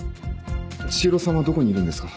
千尋さんはどこにいるんですか？